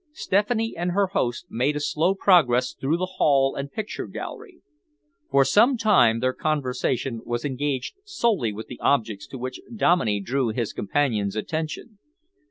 Stephanie and her host made a slow progress through the hall and picture gallery. For some time their conversation was engaged solely with the objects to which Dominey drew his companion's attention.